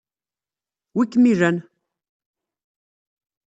Wi-kem ilan?